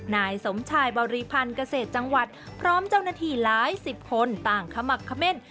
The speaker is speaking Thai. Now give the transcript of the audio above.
นายสมชายบริพันธ์เกษตรจังหวัดพร้อมเจ้าหน้าที่หลายสิบคนต่างขมักเขม่น